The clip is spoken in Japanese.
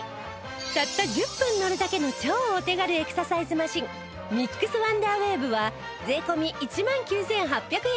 たった１０分乗るだけの超お手軽エクササイズマシンミックスワンダーウェーブは税込１万９８００円